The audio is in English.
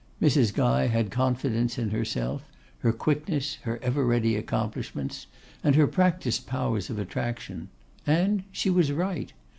Mrs. Guy had confidence in herself, her quickness, her ever ready accomplishments, and her practised powers of attraction. And she was right.